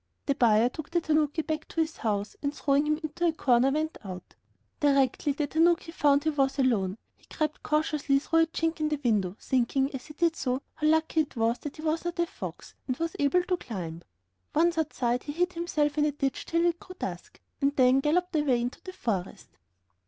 The buyer took the tanuki back to his house, and throwing him into a corner went out. Directly the tanaki found he was alone, he crept cautiously through a chink of the window, thinking, as he did so, how lucky it was that he was not a fox, and was able to climb. Once outside, he hid himself in a ditch till it grew dusk, and then galloped away into the forest.